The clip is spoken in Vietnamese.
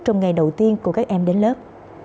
trong ngày đầu tiên của các em đến lớp